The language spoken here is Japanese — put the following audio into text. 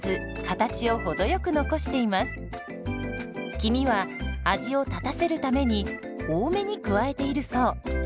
黄身は味を立たせるために多めに加えているそう。